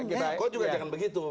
kau juga jangan begitu